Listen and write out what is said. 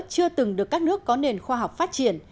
chưa từng được các nước có nền khoa học phát triển